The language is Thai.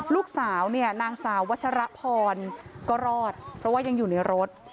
ลูกสาวเนี่ยนางสาววัชรพรก็รอดเพราะว่ายังอยู่ในรถ